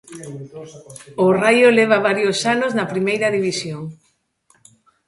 O Raio leva varios anos na Primeira División.